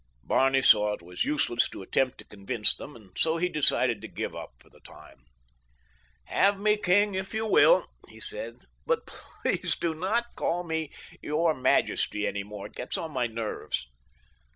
Barney saw it was useless to attempt to convince them and so he decided to give up for the time. "Have me king, if you will," he said, "but please do not call me 'your majesty' any more. It gets on my nerves."